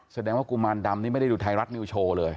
แสดงว่ากุมารดำนี่ไม่ได้ดูไทยรัฐนิวโชว์เลย